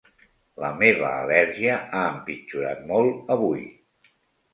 La meva al·lèrgia ha empitjorat molt avui.